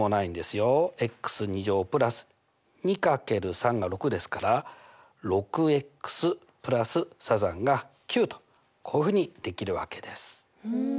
＋２×３が６ですから６＋３×３＝９とこういうふうにできるわけです。